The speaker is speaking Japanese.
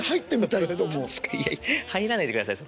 いや入らないでくださいそこ。